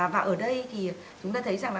và ở đây thì chúng ta thấy rằng là